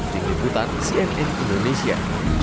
tinggi kutan cnn indonesia